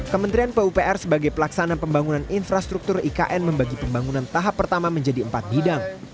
kementerian pupr sebagai pelaksana pembangunan infrastruktur ikn membagi pembangunan tahap pertama menjadi empat bidang